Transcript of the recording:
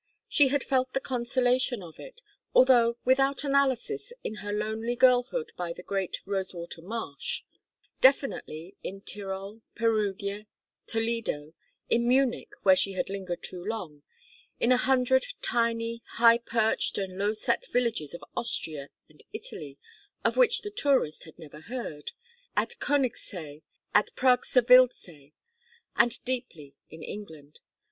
She had felt the consolation of it, although without analysis, in her lonely girlhood by the great Rosewater Marsh; definitely in Tyrol, Perugia, Toledo, in Munich where she had lingered too long, in a hundred tiny high perched and low set villages of Austria and Italy of which the tourist had never heard, at Konigsee and Pragserwildsee; and deeply in England.